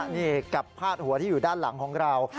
นี่กับพาดหัวที่อยู่ด้านหลังของเรา